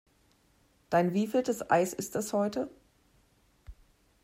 Dein wievieltes Eis ist das heute?